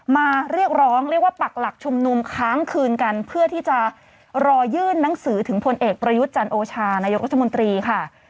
มาเรียกร้องเรียกว่าปักหลักชุมนุมค้างคืนกันเพื่อที่จะรอยื่นหนังสือถึงพลเอกประยุทธ์จันโอชานายกรัฐมนตรีค่ะ